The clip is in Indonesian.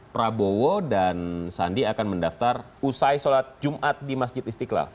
prabowo dan sandi akan mendaftar usai sholat jumat di masjid istiqlal